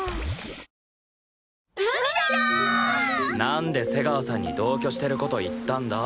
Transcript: なんで瀬川さんに同居してる事言ったんだ？